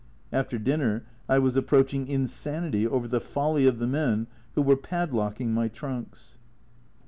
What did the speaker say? After dinner I was approaching insanity over the folly of the men who were padlocking my trunks.